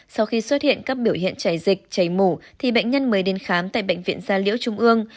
sau khi xuất hiện các biểu hiện chảy dịch chảy mù thì bệnh nhân mới đến khám tại bệnh viện gia liễu trung ương